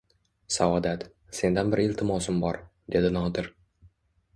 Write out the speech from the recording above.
Saodat, sendan bir iltimosim bor, dedi Nodir